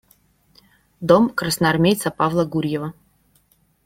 Дом красноармейца Павла Гурьева.